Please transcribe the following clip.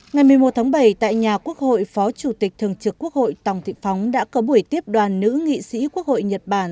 ngày một mươi một tháng bảy tại nhà quốc hội phó chủ tịch thường trực quốc hội tòng thị phóng đã có buổi tiếp đoàn nữ nghị sĩ quốc hội nhật bản